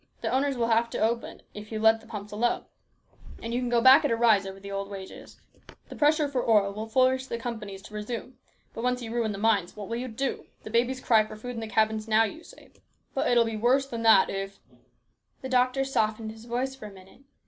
The owners will have to open, if you let 270 HIS BROTHER'S KEEPER. the pumps alone ; and you can go back at a rise over old wages. The pressure for ore will force the companies to resume. But once you ruin the mines, what will you do ? The babies cry for food in the cabins now, you say ; but it will be worse than that if " The doctor softened his voice for a minute.